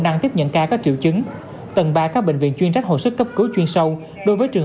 năng tiếp nhận ca có triệu chứng tầng ba các bệnh viện chuyên trách hồ sơ cấp cứu chuyên sâu đối với trường